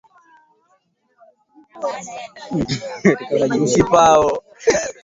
huzalishwa kutoka kwenye msitu huo Mwandishi mwengine